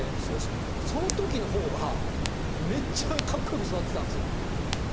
そのときのほうがめっちゃかっこよく育ってたんですよ。